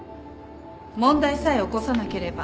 問題さえ起こさなければ